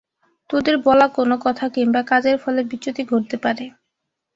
তোদের বলা কোনো কথা কিংবা কাজের ফলে বিচ্যুতি ঘটতে পারে।